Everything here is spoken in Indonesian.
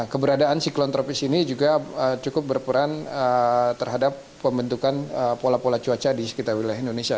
keberadaan siklon tropis ini juga cukup berperan terhadap pembentukan pola pola cuaca di sekitar wilayah indonesia